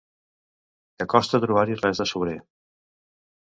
Que costa trobar-hi res de sobrer.